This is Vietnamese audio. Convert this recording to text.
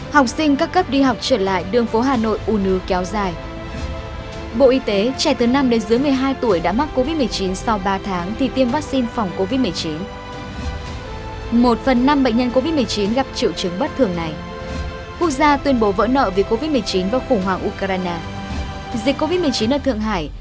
hãy đăng ký kênh để ủng hộ kênh của chúng mình nhé